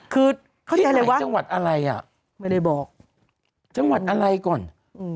คือเขาคิดอะไรว่าจังหวัดอะไรอ่ะไม่ได้บอกจังหวัดอะไรก่อนอืม